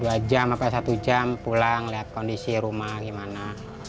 dua jam atau satu jam pulang lihat kondisi rumah gimana